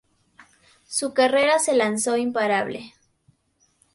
Su carrera se lanzó imparable.